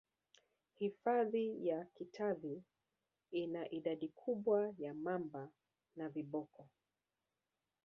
hifadhi ya katavi ina idadi kubwa ya mamba na viboko